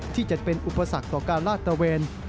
ที่จะเป็นอุปสรรคต่อการลาดตระเวน